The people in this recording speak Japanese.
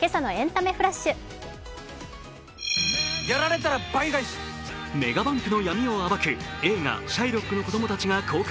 メガバンクの闇を暴く映画「シャイロックの子供たち」が公開。